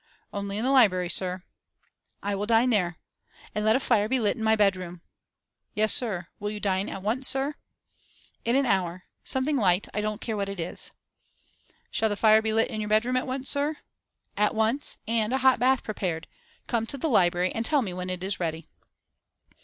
'Only in the library, sir.' 'I will dine there. And let a fire be lit in my bedroom.' 'Yes, sir. Will you dine at once, sir?' 'In an hour. Something light; I don't care what it is.' 'Shall the fire be lit in your bedroom at once, sir?' 'At once, and a hot bath prepared. Come to the library and tell me when it is ready.